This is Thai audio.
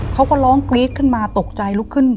เขาก็ร้องกรี๊ดขึ้นมาตกใจลุกขึ้น